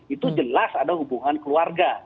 itu jelas ada hubungan keluarga